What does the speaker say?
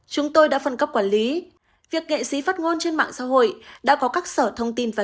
chúng tôi đã phân cấp quản lý việc nghệ sĩ phát ngôn trên mạng xã hội đã có các sở thông tin và